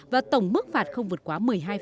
và tổng mức phạt không vượt quá một mươi hai